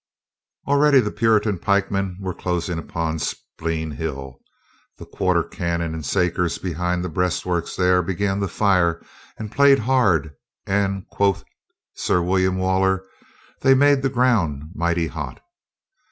Already the Puritan pikemen were closing upon Speen Hill. The quarter cannon and sakers behind the breastwork there began to fire, and played hard, and, quoth Sir William Waller, "they made the ground mighty hot."